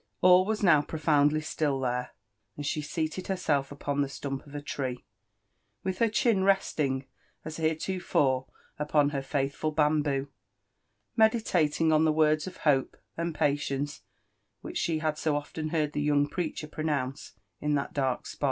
All wa^ now profoundly still there, and she sealed herself npon the stump of a tree, with her chin resting as here^* tofore upon her faidifut bamboo, medKating on the words of hope and patience, which she had so often heard the young preacher pronoui^ce HI that dtf k spot.